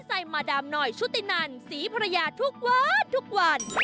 มาดามหน่อยชุตินันศรีภรรยาทุกวันทุกวัน